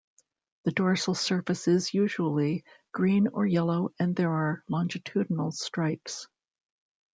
The dorsal surface is usually green or yellow and there are longitudinal stripes.